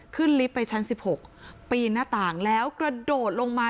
ลิฟต์ไปชั้น๑๖ปีหน้าต่างแล้วกระโดดลงมา